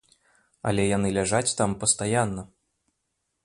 Але яны ляжаць там пастаянна.